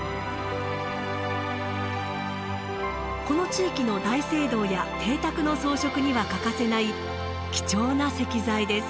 この地域の大聖堂や邸宅の装飾には欠かせない貴重な石材です。